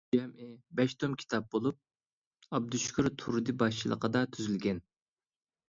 جەمئىي بەش توم كىتاب بولۇپ، ئابدۇشۈكۈر تۇردى باشچىلىقىدا تۈزۈلگەن.